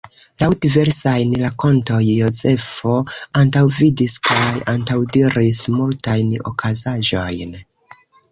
Laŭ diversajn rakontoj Jozefo antaŭvidis kaj antaŭdiris multajn okazaĵojn.